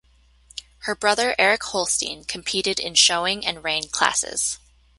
Her brother Erik Holstein competed in showing and rein classes.